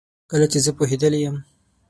کله چي زه پوهیدلې یم